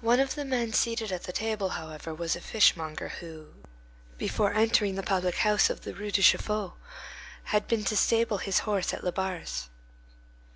One of the men seated at the table, however, was a fishmonger who, before entering the public house of the Rue de Chaffaut, had been to stable his horse at Labarre's.